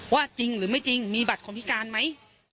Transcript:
ว่าจริงหรือไม่จริงมีบัตรของพิการมั้ย